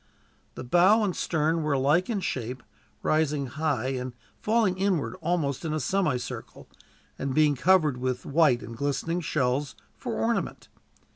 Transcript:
The bow and stern were alike in shape, rising high and falling inwards almost in a semicircle, and being covered with white and glistening shells, for ornament.